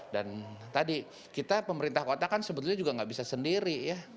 dan tadi kita pemerintah kota kan sebetulnya juga gak bisa sendiri ya